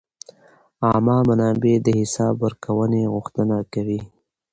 عامه منابع د حساب ورکونې غوښتنه کوي.